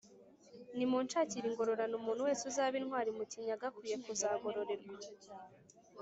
« nimunshakire ingororano umuntu wese uzaba intwari mu kinyaga akwiye kuzagororerwa»